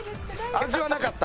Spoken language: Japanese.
味はなかった。